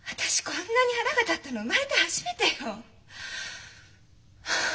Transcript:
こんなに腹が立ったの生まれて初めてよ。